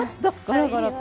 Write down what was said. ゴロゴロと。